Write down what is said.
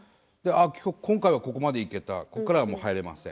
今回はここまで行けたここからはもう入れません。